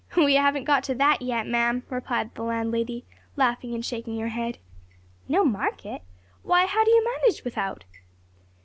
"We haven't got to that yet, ma'am," replied the landlady, laughing and shaking her head. "No market? why how do you manage without?"